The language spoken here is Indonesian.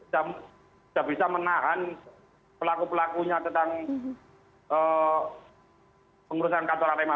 sudah bisa menahan pelaku pelakunya tentang pengurusan kantor arema